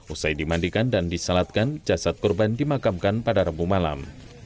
usai dimandikan dan disalatkan jasad korban dimakamkan pada rabu malam